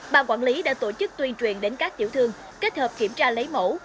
ban quản lý đã tổ chức tuyên truyền đến các tiểu thương kết hợp kiểm tra lấy mẫu